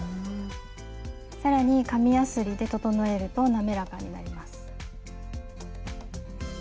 更に紙やすりで整えると滑らかになります。